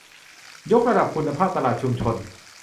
ยกระดับคุณภาพตลาดชุมชน